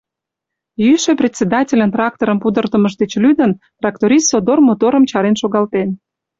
Йӱшӧ председательын тракторым пудыртымыж деч лӱдын, тракторист содор моторым чарен шогалтен.